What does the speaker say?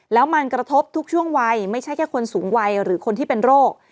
แล้วมันกระทบทุกช่วงวัยไม่ใช่แค่คนสูงวัยหรือคนที่เป็นโรค